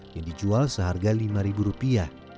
yang dijual seharga lima ribu rupiah